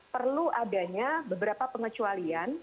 perlu adanya beberapa pengecualian